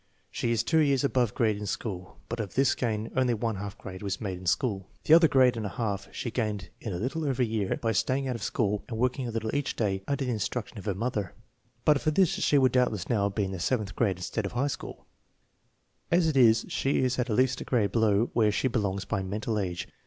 She is two years above grade in school, but of this gain only one half grade was made in school; 98 THE MEASUREMENT OF INTELLIGENCE the other grade and a half she gained in a little over a year by staying out of school and worldng a little each clay under the instruction of her mother. But for this she would doubtless now be in the seventh grade instead of in high school. As it is she is at least a grade below where she belongs by mental age.